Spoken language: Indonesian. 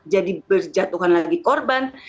jadi berjatuhan lagi korban